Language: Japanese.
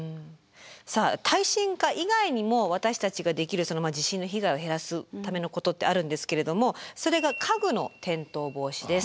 さあ耐震化以外にも私たちができる地震の被害を減らすためのことってあるんですけれどもそれが家具の転倒防止です。